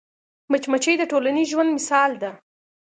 مچمچۍ د ټولنیز ژوند مثال ده